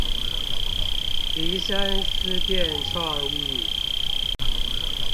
提升思辨創意